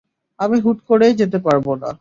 আমি হুট করেই যেতে পারব না।